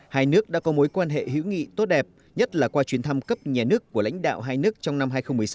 hai nước đã có mối quan hệ hữu nghị tốt đẹp nhất là qua chuyến thăm cấp nhà nước của lãnh đạo hai nước trong năm hai nghìn một mươi sáu hai nghìn một mươi bảy